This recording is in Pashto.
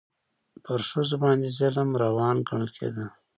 په ښځو باندې ظلم روان ګڼل کېده.